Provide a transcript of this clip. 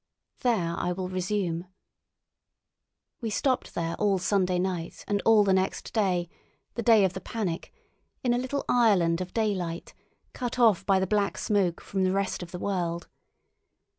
There I will resume. We stopped there all Sunday night and all the next day—the day of the panic—in a little island of daylight, cut off by the Black Smoke from the rest of the world.